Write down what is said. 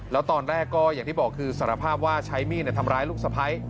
แล้วตอนแรกก็อย่างที่บอกคือสารภาพว่าใช้มีดทำร้ายลูกสะพ้าย